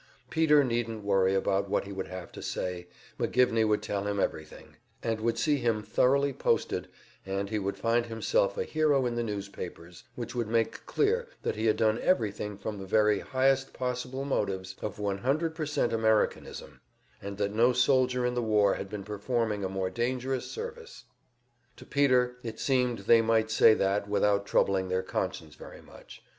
Peter needn't worry about what he would have to say, McGivney would tell him everything, and would see him thoroughly posted, and he would find himself a hero in the newspapers, which would make clear that he had done everything from the very highest possible motives of 100% Americanism, and that no soldier in the war had been performing a more dangerous service. To Peter it seemed they might say that without troubling their conscience very much.